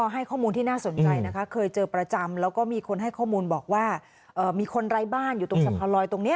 ให้ข้อมูลบอกว่ามีคนไร้บ้านอยู่ตรงสำหรับลอยตรงนี้